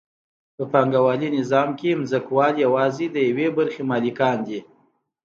په پانګوالي نظام کې ځمکوال یوازې د یوې برخې مالکان دي